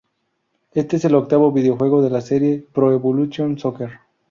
Este es el octavo videojuego de la serie Pro Evolution Soccer.